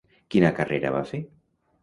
Quina carrera va fer?